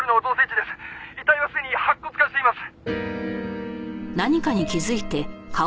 「遺体はすでに白骨化しています」